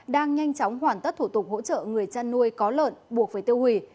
đang nhanh chóng hoàn tất thủ tục hỗ trợ người chăn nuôi có lợn buộc phải tiêu hủy